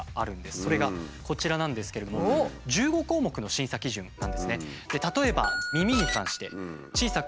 それがこちらなんですけれども１５項目の審査基準なんですね。